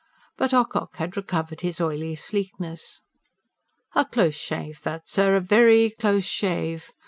But Ocock had recovered his oily sleekness. "A close shave that, sir, a VE RY close shave!